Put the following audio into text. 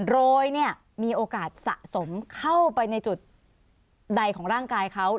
โดยมีโอกาสสะสมเข้าไปในจุดใดของร่างกายเขา